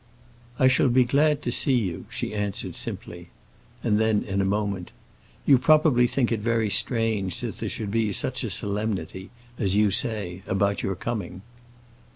"I shall be glad to see you," she answered simply. And then, in a moment: "You probably think it very strange that there should be such a solemnity—as you say—about your coming."